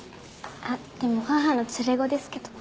あっでも母の連れ子ですけど。